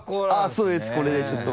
あぁそうですこれでちょっと。